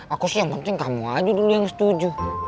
aku sih yang penting kamu aja dulu yang setuju